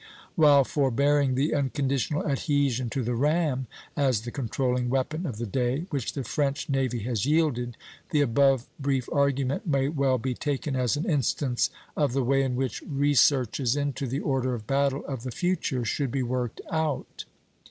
While forbearing the unconditional adhesion to the ram as the controlling weapon of the day, which the French navy has yielded, the above brief argument may well be taken as an instance of the way in which researches into the order of battle of the future should be worked out.